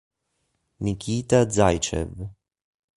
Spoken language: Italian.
Nikita Zajcev